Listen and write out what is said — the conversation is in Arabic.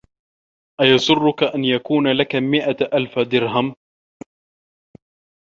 أَيَسُرُّكَ أَنْ يَكُونَ لَك مِائَةُ أَلْفِ دِرْهَمٍ